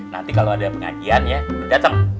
nanti kalo ada pengajian ya dateng